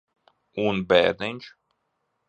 Un bērniņš?